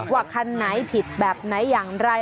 ว่าคันไหนผิดแบบไหนอย่างไร